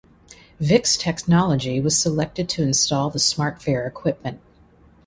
Vix Technology was selected to install the smart fare equipment.